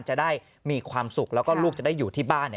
จะได้มีความสุขแล้วก็ลูกจะได้อยู่ที่บ้าน